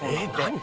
何？